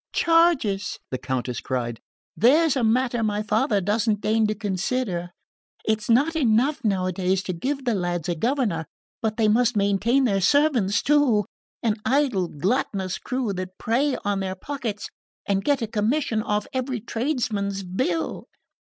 "Charges!" the Countess cried. "There's a matter my father doesn't deign to consider. It's not enough, nowadays, to give the lads a governor, but they must maintain their servants too, an idle gluttonous crew that prey on their pockets and get a commission off every tradesman's bill."